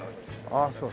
ああそう。